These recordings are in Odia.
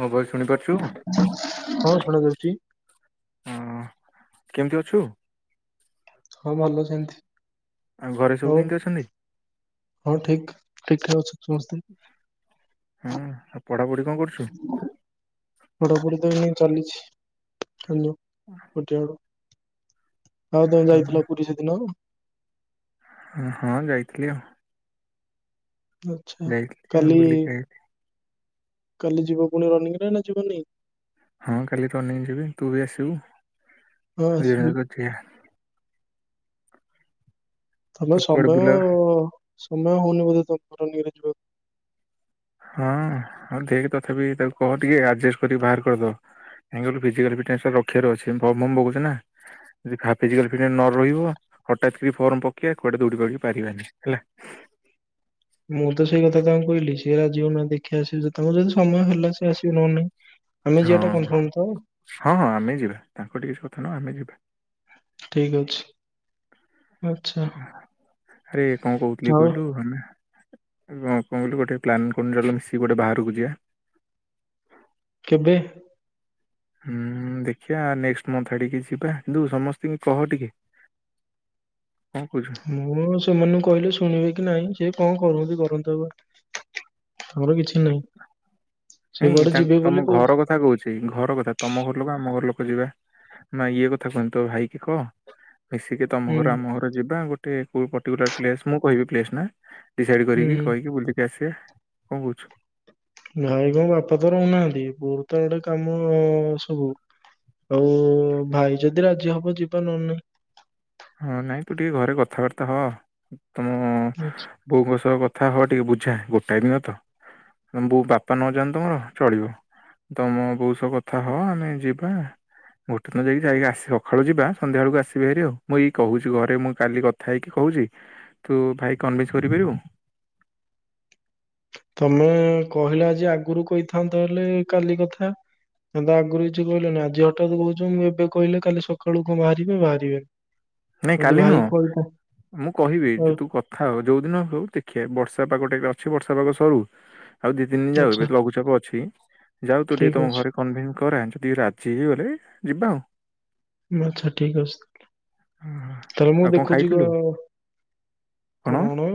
ମୋ ଭଏସ୍ ଶୁଣି ପାରୁଚୁ ଉ। ହଁ ଶୁଣା ଯାଉଛି କେମିତି ଅଛୁ। ହଁ ଭଲ ସେମିତି। ଆଉ ଘରେ ସବୁ ହଉ କେମିତି ଅଛନ୍ତି। ହଁ ଠିକ୍ ଠିକ୍ ଠାକ୍ ଅଛନ୍ତି ସମସ୍ତେ। ହଁ ଆଉ ପଢାପଢି କଣ କରୁଛୁ ପଢ଼ା ପଢ଼ି ତ ଏଇନାଗେ ଚାଲିଚି ହ୍ୟାଲୋ ଗୋଟେ ଏଳୁ। ଆଉ ତମେ ହଁ ଯାଇଥିଲ ପୁରୀ ସେଦିନ। ଅ ହଁ ଯାଇଥିଲି ଆଉ। ଆଚ୍ଛା ଯାଇଥିଲି ଆଉ କାଲି ବୁଲିକି ଆଇଲି କାଲି ଯିବ ପୁଣି ରନିଂ ରେ ନା ଯିବନି। ହଁ କାଲି ରନିଂ ଯିବି ତୁ ବି ଆସିବୁ ହଁ ଆସିବି ଦିଯଣ ଯିବା। ତମେ ଆଉ କୁଆଡେ ସମୟ ବୁଲା ସମୟ ହଉନି ବୋଧେ ତମଙ୍କୁ ରନିଂ ରେ ଯିବାକୁ। ହଁ ଆଉ ଦେଖେ ତଥାପି ତାକୁ କହ ଟିକେ ଆଡ଼ଜେଷ୍ଟ କରିକି ବାହାର କରିଦବ। ଏଗୋଲୁ ଫିଯିକାଲ୍ ଫିଟ୍ ନେସ୍କୋ ର ରଖିବାର ଅଛି ପମ୍ ବମ୍ ବଗୁଚିନା ଯୋଦି ଖାପିକି ରଖିଦେଲେ ନ ରହିବ। ହଠାତ୍ କରି ଫର୍ମ ପକେଇବା କୁଆଡେ ଦୌଡ଼ି ଦୈଡ଼ି ପାରିବାନି ହେଲା। ମୁଁ ତ ସେଇ କଥା ତାଙ୍କୁ କହିଲି ସିଏ ରାଜି ହେଉନାହାଁନ୍ତି ଦେଖିଆ ସେ ତମର ଯଦି ସମୟ ହେଲା ସିଏ ଆସିବ ନହେନେ ନାଇଁ। ହଁ ହଁ ହଁ ଆମେ ଯିବା ତାଙ୍କ ଟି କିଛି କଥା ନାହ ଆମେ ଯିବା। ଠିକ ଅଛି ଆଚ୍ଛା ଆରେ କଣ କହୁଥିଲି ଆଉ କହିଲୁ ଆମେ କ କଣ କହିଲି ଗୋଟେ ପ୍ଲାନ କରୁନ ଚାଲ ମିଶିକି ଗୋଟେ ବାହାରକୁ ଯିବା। କେବେ। ଉ ଉ ଦେଖିବା ନେକ୍ସ ମନ୍ଥ ଆଡ଼ିକି ଯିବା କିନ୍ତୁ ସମସ୍ତଙ୍କୁ କହ ଟିକେ। [inaudible] ମୁଁ ସେମାନଙ୍କୁ କହିଲେ ଶୁଣିବେ କି ନାଇଁ। କିଏ କଣ କରନ୍ତି କରନ୍ତୁ ଆଗ ଆମର କିଛି ନାହିଁ ସେ ନାଇଁ କୁଆଡେ ତା ଯିବେ ବୋଲି ତମ କହୁଛି ଘର କଥା କହୁଚି ଘର କଥା ତମ ଘର ଲୋକ ଆମ ଘର ଲୋକ। ଯିବା ମା ଇଏ କଥା କଉନି ତ ଭାଇକି କହ। ମିଶିକି ହୁଁ ତମ ଘର ଆମ ଘର ଯିବା ଗୋଟେ କୋଉ ପଟିଗୁରା ପ୍ଲେସ୍ ମୁଁ କହିବି ପ୍ଲସ୍ ନା। ଡିସାଇଡି ହୁଁ କରିକି ହୁଁ କହିକି ବୁଲିକି ଆସିବା କଣ କହୁଚୁ। ଭାଇ କଣ ବାପା ତ ରହୁନାହାନ୍ତି ବୋଉ ତ ଏଡ଼େ କାମ ଅ ସବୁ। ଆଉ ଭାଇ ଯଦି ରାଜି ହବ ଯିବା ନହେନେ ନାହିଁ। ହଁ ନାଇଁ ତୁ ଟିକେ ଘରେ କଥାବାର୍ତ୍ତା ହ ତମ ଆଚ୍ଛା, ବୋଉଙ୍କ ସହ କ କଥା ହଅ ଟିକେ ବୁଝା ଗୋଟାଏ ଦିନ ତ ବୋ ବାପା ନଯାନ୍ତୁ ତମର ଚଳିବ। ତମ ବୋଉ ସହ କଥା ହ ଆମେ ଯିବା। ଗୋଟେ ଦିନ ଯାଇକି ଯାଇ ଆସି ସଖାଳୁ ଯିବା ସନ୍ଧ୍ୟାବେଳକୁ ଆସିବା ହାରି ଆଉ। ମୁଁ ଏଇ କହୁଚି ଘରେ ମୁଁ କାଲି କଥା ହେଇକି କହୁଚି ତୁ ଭାଇ କନଭିସ୍ କରିପାରିବୁ। [inaudible] ତମେ କହିଲ ଆଜି ଆଗରୁ କହିଥାଆନ୍ତ ହେଲେ କାଲି କଥା। ତମେ ତ ଆଗରୁ କିଛି କହିଲନି ଆଜି ହଠାତ୍ କହୁଛ ମୁଁ ଏବେ କହିଲେ କାଲି ସକାଳୁ କଣ ବାହାରିବେ ବାହାରିବେନି। ନାଇଁ ଯୋଦି କାଲି ଭାଇ ନୁହଁ। କହିଥା ମୁଁ କହିବି ଯେ ହଉ ତୁ କଥା ହଉ ଯୋଉ ଦିନ ହଉ ଦେଖିବା ବର୍ଷା ପାଗଟା ବି ଅ ଅଛି ବର୍ଷା ପାଗ ସରୁ। ଆଉ ଦି ତିନ ଦିନ ଯାଉ ଆଚ୍ଛା ଏବେ ତ ଲଘୁଚାପ ଅଛି ଯାଉ ତୁ ଟିକେ ଠିକ ତମ ଅଛି ଘରେ କନଭିନ୍ସ କରା। ଟିକେ ରାଜି ହେଇଗଲେ ଯିବା ଆଉ। ଆଚ୍ଛା ଠିକ୍ ଅଛି ତାହଲେ ହଁ। ଥରେ ମୁଁ ଆଉ କଣ ଦେଖୁଛି ଖାଇଥିଲୁ କଣ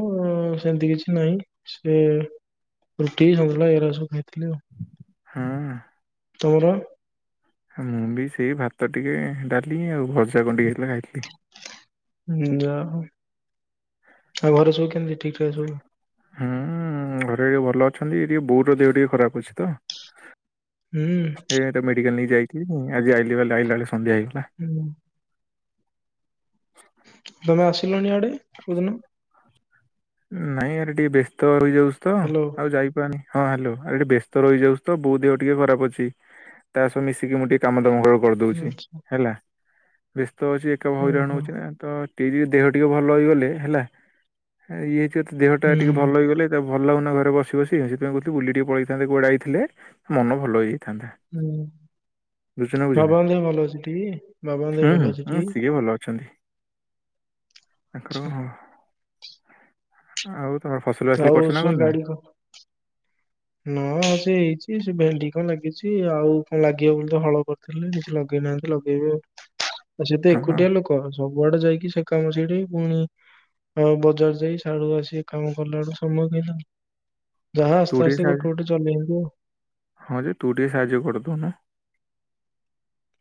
ସେମିତି କିଛି କିଛି ନାହିଁ ସେ ରୁଟି ସନ୍ତୁଳା ଏଗୁରା ସବୁ ଖାଇଥିଲି ଆଉ। ହୁଁ। ତୋର ମୁଁ ବି ସେଇ ଭାତ ଟିକେ ଡାଲି ଆଉ ଭଜା କଣ ଟିକେ ହେଇଥିଲା ଖାଇଥିଲି। ଯା ହଉ ଘରେ ସବୁ କେମିତି ଠିକ୍ ଠାକ୍ ସବୁ? ହୁଁ ଘରେ ଭଲ ଅଛନ୍ତି ଏ ଟିକେ ବୋଉର ଦେହ ଟିକେ ଖରାପ ଅଛି ତ ହୁଁ ଏଟା ମେଡିକାଲ ନେଇ ଯାଇ [unintelligible] ଯାଇ ହୁଁ ତମେ ଆସିଲନି ଇଆଡେ ନାଇଁ ଆରେ ଟିକେ ବ୍ୟସ୍ତ ରହିଯାଉଛି ତ ହ୍ୟାଲୋ। ଆଉ ଯାଇପାରୁନି। ହଁ ହ୍ୟାଲୋ ଆ ଏଠି ବ୍ୟସ୍ତ ରହିଯାଉଛି ତ ବୋଉ ଦେହ ଟିକେ ଖରାପ ଅଛି ତା ସହ ମିଶିକି ମୁଁ ଟିକେ କାମ ଧାମ କ କରିଦଉଛି ଆଚ୍ଛା ହେଲା ବ୍ୟସ୍ତ ଅଛି ଏକା ଓହୋ ହଇରାଣ ହୁଁ [unintelligible] ଟିକେ ଯ ଦେହ ଟିକେ ଭଲ ହେଇଗଲେ ହେଲା ଇଏ ଯଦି ଦେହଟା ଟିକେ ଭଲ ହେଇଗଲେ ତା ଭଲ ଲାଗୁନି ନା ଘରେ ବସି ବସି ସେଥିପାଇଁ କହୁଥିଲି ବୁଲିକି ଟିକେ ପଳେଇଥାନ୍ତେ କୁଆଡେ ଆଇଥିଲେ ମନ ଭଲ ହେଇ ହୁଁ। ବୁଝୁନା ବାବାଙ୍କ ଦେହ ଭଲ ଅଛିଟି ବାବାଙ୍କ ଦେହ ହୁଁ ହୁଁ ଭଲ ହୁଁ, ଅଛି [unintelligible] ସିଏ ଭଲ ଅଛନ୍ତି ଆଚ୍ଛା [unintelligible] ବାସଲି ହଉ କରିଛ ନା କରିନ? [inaudible] ନା ସେ ହେଇଛି ସେ ଭେଣ୍ଡି କଣ ଲାଗିଛି ଆଉ କଣ ଲାଗିବ ବୋଲି ତ ହଳ କରିଥିଲେ [unintelligible] ନାହାନ୍ତି ଲଗେଇବେ ଆଉ ଆଉ ସେତ ହଁ ଏକୁଟିଆ ଲୋକ କୁଆଡେ ଯାଇକି ସେ କାମ ସେଇଠି ପୁଣି ଆଉ ବଜାର ଯାଇ ସିଆଡୁ ଆସିି ଏଇ କାମ କଲା ବେଡୁ ସମୟ କାଇଁ ତାଙ୍କୁ ଯାହା ତୁ ଆସ୍ତେ ଟିକେ ଆସ୍ତେ ଗୋଟେ ଗୋଟେ ଚଲେଇବୁ ଆଉ। ହଁ ଯେ ତୁ ଟିକେ ସାହାଯ୍ୟ କରିଦଉନୁ।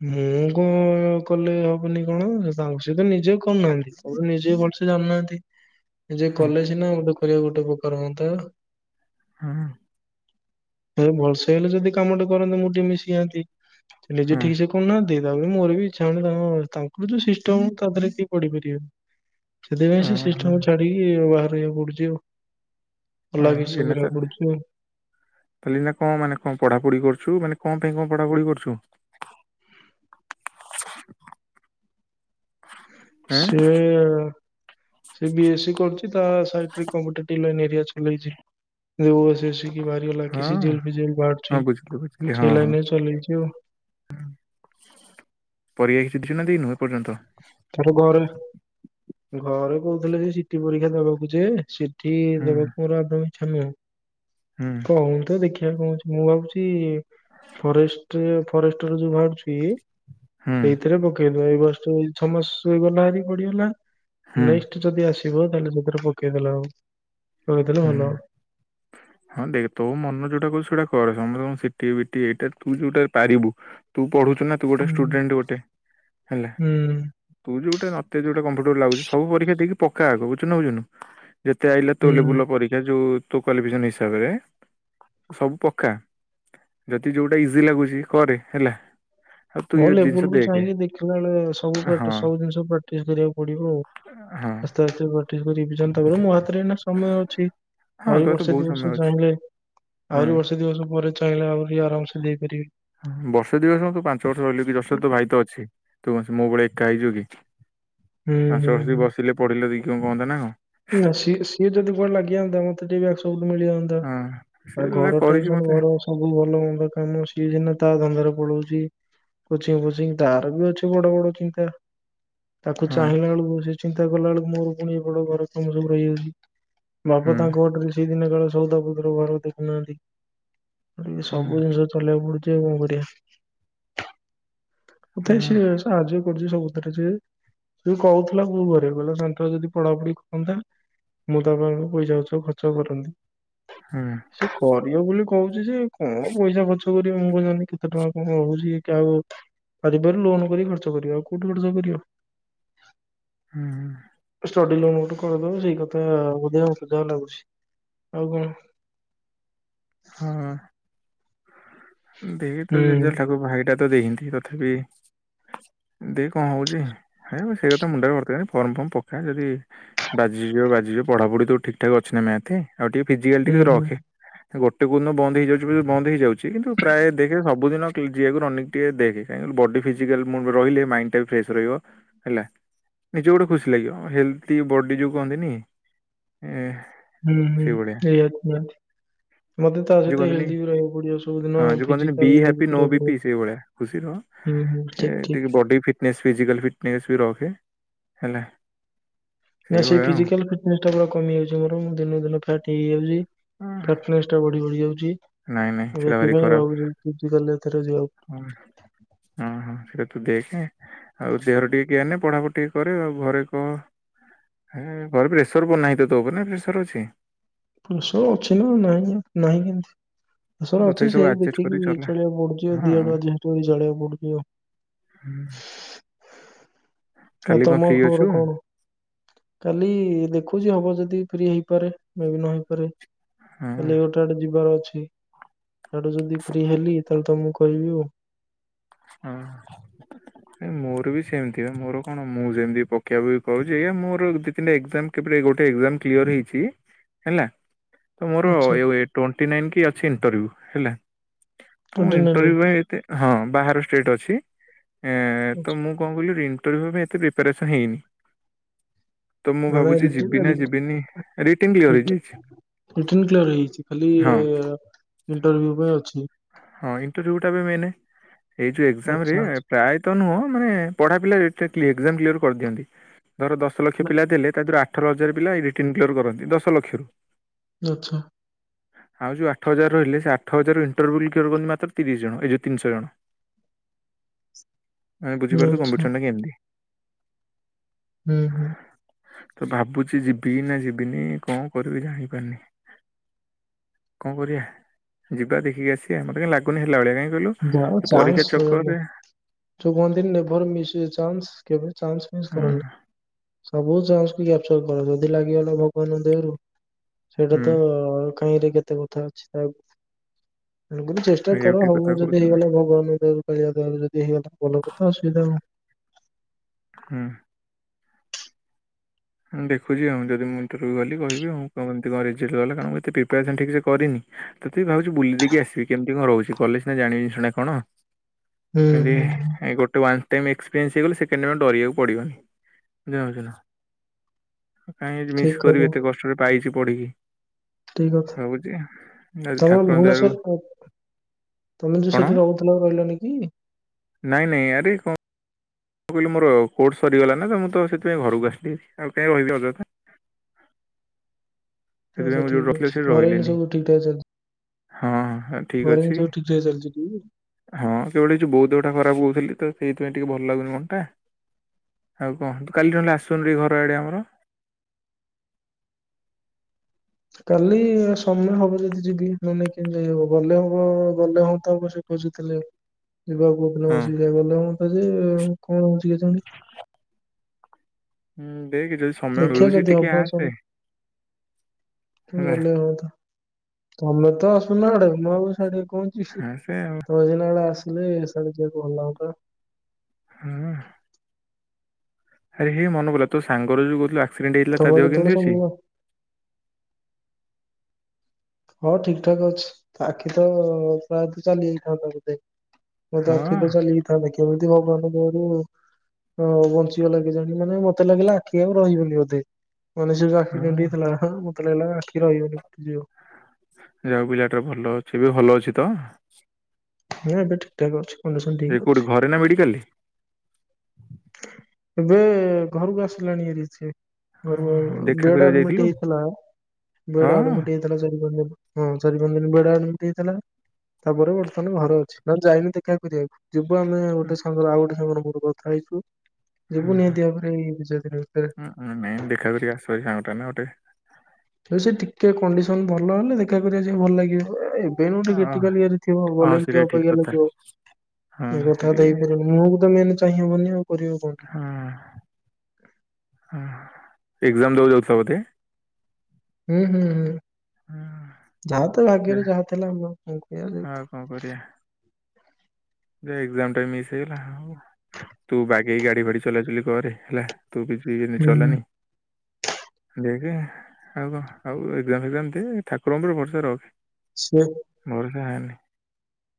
[unintelligible] କଲେ ହବନି କଣ ତାଙ୍କ ସହିତ ନିଜେ କରୁନାହାନ୍ତି କଣ ନିଜେ ଭଲସେ ଜାଣିନାହାନ୍ତି। ନି ଯ ହଁ କଲେଜ ନା ମୋତେ କରିବା ଗୋଟେ ପ୍ରକାର ହୁଅନ୍ତା। ହଁ ଭଲସେ ହେଲେ ଯଦି କାମ ଟେ କରନ୍ତେ ମୁଁ ଟିକେ ମିଶି ଯାଆନ୍ତି [unintelligible] ହଁ ଓହୋ। ଠିକ ସେ କହୁନାହାନ୍ତି ତାପରେ ମୋରବି ଇଚ୍ଛା ହଉନି ତାଙ୍କର ଯୋଉ ସିଷ୍ଟମ ତା ଦେହରେ କିଏ ପଡିିପାରିବ। ସେଥିପାଇଁ ସେ ହଁ ସିଷ୍ଟମ ଛାଡିକି ବାହାରିବାକୁ ପଡୁଛି ଆଉ। ଅଲଗା କିଛି ହଁ ଏ ସବୁ ନା ତା କରିବାକୁ ପଡୁଛି ଆଉ। ତାହେଲେ ଏଇନା କଣ ମାନେ କଣ ପଢାପଢି କରୁଛୁ ମାନେ କଣ? ପାଇଁ କଣ ପଢାପଢ଼ି କରୁଛୁ? ଏଁ ସେ ଏ। ସେ ବି ଏସ୍ ସି କରୁଛି ତା ସାଇଡରେ କଣ ଗୋଟେ [unintelligible] ଏରିଆ ଚଲେଇଛି। ଓ ଏସ୍ ଏସ୍ ସି କି ବାହାରିଗଲା କି ସି ହଁ ଜି ଏଲ୍ ଫି ଜି ଏଲ୍ ହଁ ବାହାରୁଛି। ବୁଝିଲି ବୁଝିଲି ହଁ ସେ ହଁ ଲାଇନରେ ଚଲେଇଚି ଆଉ। ପରୀକ୍ଷା କିଛି ଦେଇଛୁ ନା ଦେଇ ନୁ। ତାର ଘରେ ଘରେ କହୁଥିଲେ ଯେ ସିଟି ପରୀକ୍ଷା ଦବାକୁ ଯେ ସି ଟି ହୁଁ ଦେବାକୁ ମୋର ଅନ୍ଦୌ ଇଛା ନୁହେଁ। ହୁଁ କହନ୍ତୁ ଦେଖି ଆ କଣ ହଉଚି, ମୁଁ ଭାବୁଛି ଫରେଷ୍ଟ ଫରେଷ୍ଟର ଯୋଉ ବାହାରୁଛି। ହୁଁ ସେଇଥିରେ ପକେଇଦବା ଏବର୍ଷ ଛମାସ ଗଲାହେରି ବଢିଗଲା। ହୁଁ ନେକ୍ସଟ୍ ଯଦି ଆସିବ ତାହଲେ ସେଥିରେ ପକେଇଦେଲେ ହବ। ପକେଇଦେଲେ ଭଲ ହୁଁ ହବ। ହଁ ଦେଖ ତୋ ମନ ଯୋଉଟା କହୁଛି ସେଇଟା କରେ। ସମସ୍ତେ ସିଟି ବିଟି ଏଇଟା ତୁ ଯୋଉଟା ପାରିବୁ ତୁ ପଢୁଛୁ ନା ତୁ ଗୋଟେ ହୁଁ ଷ୍ଟୁଡେଣ୍ଟ ଗୋଟେ। ହେଲା ହୁଁ ତୁ ଯୋଉ ଟା ତତେ ଯୋଉଟା କମ୍ଫଟେବୁଲ ଲାଗୁଛି ସବୁ ପରୀକ୍ଷା ଦେଇକି ପକା ଆଗ ବୁଝୁଚୁନା ବୁଝୁନୁଯେତେ ଆଇଲା ତୋ ଲେବୁଲ୍। ହୁଁ। ଯୋଉ ତୋ କ୍ୱାଳିଫିକେଶନ ହିସାବରେ ସବୁ ପକା। ଯଦି ଯୋଉଟା ଇଜି ଲାଗୁଛି କରେ ହେଲା। ଆଉ ତୁ ହଁ ଏ ଜିନିଷ ଲେବୁଲ କୁ ଦେଖେ ଚାହିଁକି ଦେଖିଲା ବେଳେ ସବୁ ହଁ ପ୍ରାଟ ସବୁ ଜିନିଷ ପ୍ରାକ୍ଟିସ କରିବାକୁ ପଡିବ ଆଉ ହଁ ଆସ୍ତେ ଆସ୍ତେ ପ୍ରଟିସ ରିଭିଜନ ତାପରେ ମୋ ହାତରେ ଏନା ସମୟ ଅଛି ହଁ ଆହୁରି ତୋର ତ ବର୍ଷେ ବହୁତ ଦି ସମୟ ବର୍ଷ ଅଛି ଚାହିଁଲେ ଆହୁରି ବର୍ଷେ ଦିବର୍ଷ ପରେ ଚାହିଁଲେ ଆହୁରି ଆରାମସେ ଦେଇପାରିବି। ବର୍ଷେ ଦୁଇ ବର୍ଷ ତୁ ପାଞ୍ଚ ବର୍ଷ ରହିଲୁ କିଅସୁବିଧା ତୋ ଭାଇ ତ ଅଛି। ତୁକଣ ଯୋ ମୋ ଭଳିଆ ଏକା ହେଇଛୁକି ହୁଁ ହୁଁ ପାଞ୍ଚ ବର୍ଷ ହୁଁ ବସିଲେ ପଢିଲେ ଦେଇକି କଣ କୁହନ୍ତା ନା କଣ। ନା ସିଏ ସିଏ ଯଦି କୁଆଡ଼େ ଲାଗିଯାନ୍ତା ମତେ ଟିକେ ସ୍କୋପ ମିଳିଯାନ୍ତା। ହଁ ସେ ଆ ଲା ଘର କରିଛି ଟେନସନ ମତେ ଘର ସବୁ ଭଲ ଭନ୍ଦ କାମ ସିଏଯେ ନା ତା ଧନ୍ଦାରେ ପଳଉଛି। ଛି, କୋଚିଂ ଫୋଚିଂ ତାର ବି ଅଛି ବଡ ବଡ ଚିନ୍ତା। ତାକୁ ହଁ ଚାହିଁଲା ବେଳକୁ ସେ ଚିନ୍ତା କଲା ବେଳକୁ ମୋର ପୁଣି ଏ ବଡ ଘର କାମ ସବୁ ରହିଯାଉଛି। ବାପା ହୁଁ ତାଙ୍କ ବାଟରେ ସିଏ ଦିନେକାଳେ ସଉଦାପତ୍ର ଘର ଦେଖୁନାହାନ୍ତି। ଆରେ ହୁଁ ସବୁ ଜିନିଷ ଚଲେଇବାକୁ ପଡୁଛି ଆଉ କଣ କରିବା। ତଥାପି ହୁଁ ସିଏ ସାହାଯ୍ୟ କରୁଛି ସବୁଥିରେ ଯେ। ସେ କହୁଥିଲା ବୋଉ ଘରେ କହିଲା ସାନଟୋକା ଯଦି ପଢାପଢି କରନ୍ତା। ମୁଁ ତାପାଇଁ ଉ ପଇସା ପତର ଖଛ ଖର୍ଚ୍ଚ ହୁଁ କରନ୍ତି। କରିବ ବୋଲି କହୁଛି ଯେ, କଣ ପଇସା ଖର୍ଚ୍ଚ କରିବ ମୁ କଣ ଜାଣିନି କେତେ ଟଙ୍କା କଣ ରହୁଛି କି ଆଉ। ଆଜିପାଖରୁ ଲୋନ କରି ଖର୍ଚ୍ଚ କରିବ ଆଉ କଉଠି ଖର୍ଚ୍ଚ କରିବ। ହୁଁ ହୁଁ। ଷ୍ଟଡି ଲୋନ୍ ଗୋଟେ କରିଦବ ସେଇ କଥା ବୋଧେ ମତେ ଯାହା ଲାଗୁଛି ଆଉ କଣ। [inaudible] ହଁ [unintelligible] ହୁଁ ଭାଇଟା ତ ଦେଇନି। ତଥାପି। ଦେ କଣ ହଉଛି ହେ ସେଇ କଥା ମୁଣ୍ଡରେ ଭର୍ତ୍ତି କରନା ଫର୍ମ ଫର୍ମ ପକା ଯଦି ବାଜିଯିବ ବାଜିଯିବ ପଢାପଢି ତ ଠିକ ଠା ଅଛି ନା ମ୍ୟାଥ ଆଉ ଟିକେ ଫିଜିକାଲ ହୁଁ ଟିକେ ହୁଁ ରଖେ। ଗୋଟେ କୋଉଦିନ ବନ୍ଦ ହେଇଯାଉଛି ପଛେ ବନ୍ଦ ହେଇଯାଉଛି କିନ୍ତୁ ପ୍ରାୟ ଦେଖେ ସବୁଦିନ କ ଯିବାକୁ ରନିଙ୍ଗ ଟିକେ ଦେଖ କାହିଁକି ବଡ଼ି ଫିଜିକାଲି ମୁଣ୍ଡ ରହିଲେ ମାଇଣ୍ଡା ବି ଫ୍ରେସ୍ ରହିବ ହେଲା। ନିଜକୁ ଗୋଟେ ଖୁସି ଲାଗିବ ହେଲ୍ଥି ବଡି ଯୋଉ କହନ୍ତିନି ଏ ହୁଁ ହୁଁ। ସେଇଭଳିଆ [unintelligible] ମୋତେ ତା ଯୋଉ ସହିତ କହନ୍ତିନି ହେଲ୍ଦି ବି ରହିବାକୁ ପଡିବ ସବୁଦିନ ହଁ ଯୋଉ କହନ୍ତିନି ବି ଫିଜିକାଲ ହାପି ନୋ କରିବାକୁ ବି ପି ପଡିବ। ସେଇଭଳିଆ ଖୁସି ରହ। ହୁଁ ହୁଁ ଠିକ ଠିକ ଟିକେ ବଡି ଫିଟନେସ ଫିଜିକାଲ ଫିଟନେସ ବି ରହ। ହଁ ହେଲା। ନା ସେଇ ସେଇଭଳିଆ ଫିଜିକାଲ ଫିଟନସ୍ ଟା ପୁରା କମି ଯାଉଛି ମୋର ମୁ ଦିନ ଦିନ ଫ୍ୟାଟ ହେଇଯାଉଛି। ଆଉ। ଫ୍ୟାଟନେସ ଟା ବଢି ବଢି ଯାଉଛି। ନାଇଁ ନାଇଁ ମୁଁ ସେଟା ଭାରି ସେଥିପାଇଁ ଖରାପ ଭାବୁଛି ଫିଜିକାଲ ଏଥର ଯିବାକୁ ହଁ-ହଁ-ହଁ ସେଟା ତୁ ଦେଖେ ଆଉ ଦେହର ଟିକେ କେୟାର ନେ ପଢାପଢ଼ି ଟିକେ କରେ ଆଉ ଘରେ କହ ହେ ଘରେ ପ୍ରେସର ନାହିଁ ତ ତୋ ଉପରେ ନା ପ୍ରେସର ଅଛି। ପ୍ରେସର ଅଛି ନା ନାହିଁ ନାହିଁ କେମିତି। ହଁ, ପ୍ରେସର ତଥାପି ଅଛି ସବୁ ସେୟାକୁ ଆଡଜଷ୍ଟ କରି ଦେଖିକି ଚଲା ଚଳେଇବାକୁ ପଡୁଛି ହଁ ଦିଆଡୁଆ ଦିହତିଆ ଚଳେଇବାକୁ ପଡୁଛି ଆଉ। ହୁଁ। ଆଉ କାଲି କଣ ତମ ଫ୍ରି ଖବର ଅଛୁ? କଣ କାଲି ଦେଖୁଛି ହବ ଯଦି ଫ୍ରି ହେଇପାରେ ବି ନ ହେଇପାରେ ହଁ ଖାଲି ଗୋଟେ ଗଟେ ଯିବାର ଅଛି। ଆଡୁ ଯଦି ଫ୍ରି ହେଲି ତାହେଲେ ତମକୁ କହିବି ଆଉ। ହୁଁ। ମୋର ବି ସେମିତି ମୋର କଣ ମୁଁ ସେମିତି ପକେଇବାକୁ କହୁଛି ଆଜ୍ ମୋର ଦି ତିନଟା ଏକ୍ଜାମ କେ ଏଇ ଗୋଟେ ଏଗଜାମ କ୍ଳିଅର ହେଇଛି ହେଲା। ତ ମୋର ଆଚ୍ଛା ଟୋଣ୍ଟି ନାଇନ କି ଅଛି ଇଣ୍ଟରଭ୍ୟୁ ହେଲା। ତ ଟ୍ୱେଣ୍ଟି ନାଇନ ରେ ଇଣ୍ଟରଭିୟ ପାଇଁ ଏତେ ହଁ ବାହାର ଷ୍ଟେଟ ଅଛି। ଏ ତ ମୁଁ କଣ କହିଲି ଇଣ୍ଟରୁ ଭ୍ୟୁ ଏତେ ପ୍ରିପାରେସନ ହେଇନି। ତ ମୁଁ ନମେ ଭାବୁଛି ଯିବି ନା ଏଡ଼ିଟଡ଼ି। ଯିବିନି ରିଟିନ୍ କ୍ଲିୟର ହେଇଯାଇଛି କ୍ୟର ହେଇଯଛି ଖାଲି। ହଁ ଇଣ୍ଟରଭି୍ୟୁ ପାଇଁ ଅଛି। ହଁ ଇଣ୍ଟରୁ ଟା ମ ଏଇ ଯୋଉ ଏାମ ରେ ଆଚ୍ଛା ଆଚ୍ଛା ପ୍ରାୟ ତ ନୁହଁ ମାନେ ପଢା ପିଲା। ଏକ୍ଜାମ୍ କ୍ଲିଅର ଦିଅନ୍ତି ଧର ଦଶ ଲକ୍ଷ ନା- ପିଲା ଥିଲେ ତାତରୁ ଆଠ ଲକ୍ଷ। ହଜାର ପିଲା ରିଟିର୍ନ୍ କ୍ୟର କରନ୍ତି ଦଶ ଲକ୍ଷ। ଆଚ୍ଛା। ଆଉ ଯୋଉ ଆଠ ହଜାର ରିଲ ସେ ଆଠ ହଜାରରୁ ଇଣ୍ରଭୁଲ ମାତ୍ର ତିରିଶ ଜଣ ଏ ଯୋଉ ତିନିଶ ଜଣ। ଆମେ ବୁଝିପାରୁଛୁ ଆଚ୍ଛା କମ୍ପ୍ୟୁଟନ ନା କେମିତି? ହୁଁ ହୁଁ। ତ ଭାବୁଛି ଯିବି ନା ଯିବିନି କଣ କରିବି ଜାଣିପାରୁନି। କଣ କରିବା ଯିବା ଦେଖିକି ଆସିବା ମତେ କହିଁ ଲାଗୁନି ହେଲା ଭଳିଆ କାଇଁକି? ଯ ଚାନ୍ସ ଯୋଉ ମନ୍ଦର ନେଭର ମିଶ ଏ ଚାନ୍ସ୍ କେବେ ଚାନ୍ସ୍ ହୁଁ ସବୁ ଚାକୁ୍ୟାପଚର କର ଯଦି ଲାଗିଗଲା ଭଗବାନ ଦେହରୁ। ସେଇଟା ହୁଁ ତ କାହିଁରେ କେତେ କଥା ଅଛି ତାକୁ। ତଣୁକରି ଚେଷ୍ଟା ଏଇଆକୁ କର ଠିକ କଥା ହବ ଯଦି କହୁଛୁ ହେଇଗଲା ଭଗବାନଙ୍କ। କାଳିଆ ଦେ ଯଦି ହେଇଗଲା ଭଲ କଥା ଅସୁବିଧା ହବ। ହୁଁ। ହଁ ଦେଖୁଛି ଆଉ ଯଦି ମୁଁ ଇଟର୍ୟୁ କଲି କହିବି ଆଁ କେମିତି କଣରେଜଲ୍ ଗଲା କଣଁ ଏତେ ପ୍ରିପାରେସନ୍ ଠିକ ସେ କରିନି। ତ ତେ ବି ଭାବଛୁ ବୁଲି ଦେଇକି ଆସିବି କେମିତି କଣ ରହୁଛି କଲେଜ ନା ଜାଣିବିନି ଶୁଣା କଣ। ହୁଁ ହୁଁ ହୁଁ ହେ ଗୋଟେ ୱା। ଟାଇମ୍ ଏକ୍ସପିରିଏନ୍ସ ହେଇଗଲେ ସେକେଣ୍ଡ ଆମେ ଡରିବାକୁ ପିବନିୁାଛ ଉ କାହିଁକ ମିସ୍ ଠିକ କରିବି କଥା ଏତେ କଷ୍ଟରେ ପାଇଛି ପଢ଼ିକି। ଠିକ କଥା ହଉଛି ଆ ତମେ ଠାକୁର ଦୟାରୁ। ଭୁବନେଶ୍ଵର ତମେ ଯୋଉ କଣ ସେଠି ରହୁଥିଲା ରହିଲନି କି? ନାଇଁ ନାଇଁ ଆରେ କଣ ମୁଁ କହିଲ ମୋରୋର୍ଟ ସରିଗଲା ନା ତ ମୁଁ ତ ସେଥିପାଇଁ ଘରକୁ ଆସିଲି ଆଉ କାହିଁ କହିବି ଅଯଥା ସେଥିପାଇଁ ଆଚ୍ଛା ମୁଁ ଯୋଉ ଠିକ ରଖିଲେ ଅଛି ସେଠି ଘରେ ଏଇନେ ରହିଲନି। ସବୁ ଠିକ ଠାକ ଚାଲିଛି ହଁ ଠିକ ଘରେ ଏଇନେ ଅଛି। ସବୁ ଠିକ ଠାକ ଚାଲିଛି ଟି? ହଁ କେବଳ ହେଇଛି ବହୁତଟା ଖରାପ କହୁଥିଲି ତ ସେଇଥିପାଇଁ ଟିକେ ଭଲ ଲାଗୁନି ମନ ଟା ଆଉ କଣ ତୁ କାଲି ଜଣ ହେଲେ ଆସୁନୁ ର ଘର ଆଡ଼େ ଆମର। କାଲି ସମୟ ହବ ଯଦି ଯିବି ନେ ନେଇ କେମିତି ଯାଇହବ ଗଲେ ହବ ଗଲେ ହଅତା ହବ ସେ କ ବୁଝୁଥିଲେ ଯିବାକୁ ହଁ ଅସୁବିଧା ଗଲେ ମତ ଯେ କଣ କ ଶିିଛନ୍ତି। ହୁଁ ଦେଖ ଯଦି ସମୟ ଦେଖିବା ମିଳୁଛି ଯଦି ଟିକେ ଆସେ। ହେଲା ଗଲେେଇ ହ ତ ତମେ ତ ଆସୁନା ଆଡେ ମୁବୁାଡ ପହଞ୍ଚୁ ସ ଆସେ ଆଉ ତ ଦିନ ବେଳେ ଆସିଲେ ଯିବାକୁ ଭଲା ହତା ହଁ ଆରେ ହେଇ ମନେ ପଲା ତୋ ସାଙ୍ଗର ଯୋଉ କହୁଥିଲୁ ଆ ଆକ୍ସିଡେଣ୍ଟ ହେଇଥିଲା ତା ତମର ଦେହ କେତେବେଳେ କେମିତି ସବୁ ଅଛି ହଁ ଠିକ ଠାକ ଅଛି ଆଖିତ ପ୍ରାୟତଃ ଚାଲିଯାଇଥାନ୍ତା ବୋଧେ। ମୋର ତ ହଁ ଆଖି ତ ଚାଲିଯାଇଥାନ୍ତା କେମିତି ଭଗବାନଙ୍କ ଦୟାରୁ ହଁ ବଞ୍ଚିବା ଲାଗି ଜାଣି ମାନେ ମତେ ଲାଗିଲା ଆଖି ଆଉ ରହିବନି ବୋଧେ। ମଣିଷର ଯୋଉ ଆକ୍ସିଡେଣ୍ଟ ହଁ ହେଇଥିଲା ମତେ ଲାଗିଲା ଆଖି ରହିବନିି ଫୁଟିଯିବ। ଯାହାହେଉ ପିଲାଟାର ଭଲ ଅଛି ଏବେ ଭଲ ଅଛି ତ ହଁ ଏବେ ଠିକ ଠାକ ଅଛି। କଣ୍ଡିସନ ଏବେ ଠିକ ଅଛି କୋଉଠି ଘରେ ନା ମେଡିକାଲରେ। ଏବେ ଘରକୁ ଆସିଲାଣି ଏଇରିଛି ହଁ ହଁ, [unintelligible] ଦେଖା ବେଡ କରିବାକୁ ଯାଇଥିଲୁ ଆଡମିଟ ହେଇଥିଲା ହଁ ବେଡ ଆଡମିଟ ଚାରି ପାଞ୍ଚ ଦିନ ହେଇଥିଲା ହଁ। ଚାରି ପାଞ୍ଚ ଦିନ ବେଡ ଆଡ଼ମିଟ ହେଇଥିଲା ତାପରେ ବର୍ତ୍ତମାନ ଘର ଅଛି ନହେଲେ ଯାଇନି ଦେଖା କରିବାକୁ ଯିବୁ ଆମେ ହଁ, ଗୋଟେ ସାଙ୍ଗର ଆଉ ଗୋଟେ ସାଙ୍ଗର ମୋର କଥା ହେଇଛୁ। ଯିବୁ ହଁ ନିହାତି ଭାବରେ ଏଇ ଦି ଚାରି ଦିନ ଭିତରେ। ହଁ ନାଇଁ ଦେଖା କରିକି ଆସିବ ସାଙ୍ଗଟା ନା ଗୋଟେ। ହଁ ସେଟିକେ କଣ୍ଡିସନ ଭଲ ହେଲେ ଦେଖା କରିବାକୁ ପାଇଁ ଭଲ ଲାଗିବ। ଏ ଏବେ ଏଇନୁ ଟିକିଏ ଅ କ୍ରିଟିକାଲ ଇଏ ରେ ଥିବ ହଁ ଗଲେବି ଟିକେ ସେଇଟା ଠିକ ଅବାଗିଆ କଥା ଲାଗିବ ହଁ ଏବେ କଥାବାର୍ତ୍ତା ସେଠିକି ହେଇ ପାରିବନି ମୁଁ ଟା ତ ମେନ। ଚାହିଁହବନି ଆଉ କରିବ କଣଟେ ହଁ ଏକ୍ସାମ୍ ଦେବାକୁ ଯାଉଛ ବୋଧେ। ହୁଁ ହୁଁ ହୁଁ। ହଁ ଯାହା ତା ଭାଗ୍ୟରେ ଯାହା ଥିଲା ହବ ମୁଁ [unintelligible] ଏ ଏକ୍ସାମ ଟା ବି ମିସ ହେଇଗଲା ହଉ। ତୁ ବାଗେଇକି ଗାଡିଫାଡି ଚଲାଚଲି କରେ ହେଲା। ତୁ ବି ପ୍ଲିଜ୍ ହେଇକି ହୁଁ ଚଲାନି ଦେଖ ଆଉ ଆଉ କଣ ଏକ୍ସାମ୍ ଫେଜମ୍ ଦେ ସେ ଠାକୁରଙ୍କଉପରେ ଭରସା ରଖେ ସେ ଭରସା ହେନି।